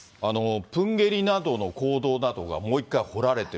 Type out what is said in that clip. プンゲリなどの坑道などがもう一回、掘られてる。